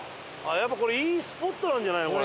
やっぱこれいいスポットなんじゃないの？